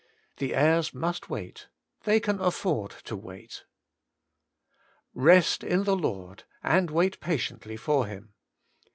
The heirs must wait ; they can afford to wait. *Rest in the lord, and wait patiently for Him.'